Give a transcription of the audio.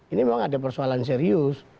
ini memang ada persoalan serius